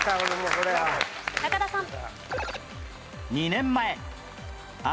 中田さん。